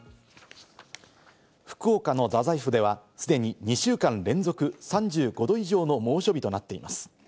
福岡の太宰府では、既に２週間連続、３５度以上の猛暑日となっています。